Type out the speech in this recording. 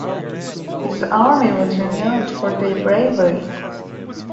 His army was renowned for their bravery.